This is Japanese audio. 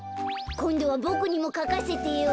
こんどはボクにもかかせてよ。